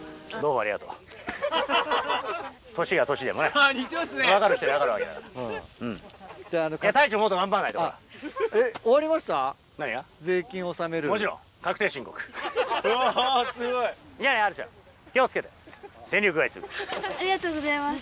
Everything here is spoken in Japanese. ありがとうございます。